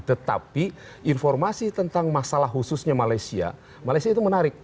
tetapi informasi tentang masalah khususnya malaysia malaysia itu menarik